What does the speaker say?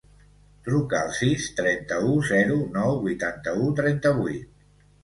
Truca al sis, trenta-u, zero, nou, vuitanta-u, trenta-vuit.